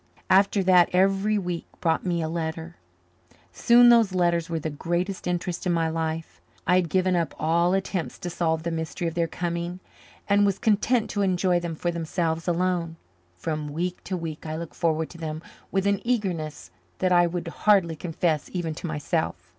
After that every week brought me a letter; soon those letters were the greatest interest in my life. I had given up all attempts to solve the mystery of their coming and was content to enjoy them for themselves alone. From week to week I looked forward to them with an eagerness that I would hardly confess, even to myself.